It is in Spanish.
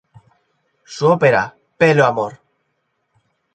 Su ópera "Pelo amor!